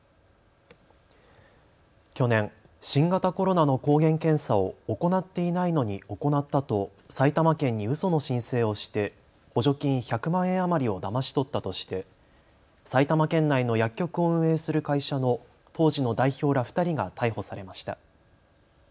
去年、新型コロナの抗原検査を行っていないのに行ったと埼玉県にうその申請をして補助金１００万円余りをだまし取ったとして埼玉県内の薬局を運営する会社の当時の代表ら２人が逮捕されました。